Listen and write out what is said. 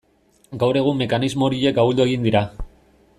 Gaur egun mekanismo horiek ahuldu egin dira.